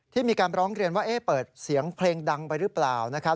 มีการร้องเรียนว่าเปิดเสียงเพลงดังไปหรือเปล่านะครับ